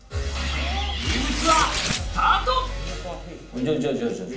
ルームツアー、スタート！